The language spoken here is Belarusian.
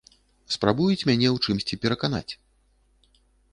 Спрабуюць мяне ў чымсьці пераканаць.